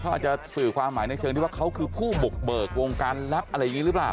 เขาอาจจะสื่อความหมายในเชิงที่ว่าเขาคือผู้บุกเบิกวงการลับอะไรอย่างนี้หรือเปล่า